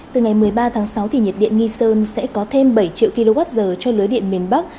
từ ngày một mươi ba tháng sáu nhiệt điện nghi sơn sẽ có thêm bảy triệu kwh cho lưới điện miền bắc